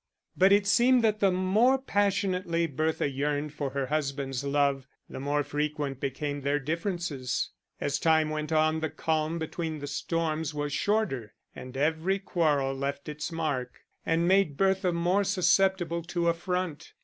But it seemed that the more passionately Bertha yearned for her husband's love, the more frequent became their differences. As time went on the calm between the storms was shorter, and every quarrel left its mark, and made Bertha more susceptible to affront.